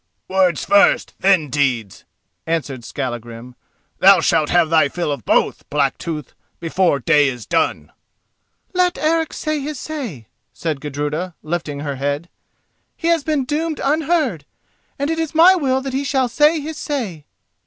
"Words first, then deeds," answered Skallagrim. "Thou shalt have thy fill of both, Blacktooth, before day is done." "Let Eric say his say," said Gudruda, lifting her head. "He has been doomed unheard, and it is my will that he shall say his say."